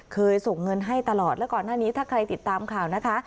ส่งเงินให้ตลอดแล้วก่อนหน้านี้ถ้าใครติดตามข่าวนะคะ